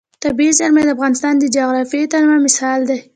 طبیعي زیرمې د افغانستان د جغرافیوي تنوع مثال دی.